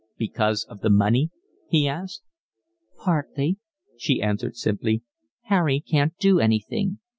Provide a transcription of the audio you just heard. "Because of the money?" he asked. "Partly," she answered simply. "Harry can't do anything.